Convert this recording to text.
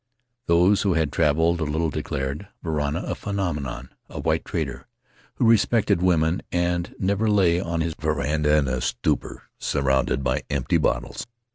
Those who had traveled a little declared Varana a phenomenon — a white trader who respected women and never lay on his veranda in a stupor, surrounded by empty bottles.